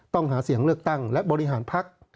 ต้องหาเสียงเลือกตั้งและบริหารพัก